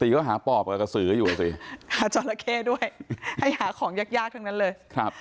อาจารย์แค่ด้วยให้หาของยากเท่านั้นเลยครับ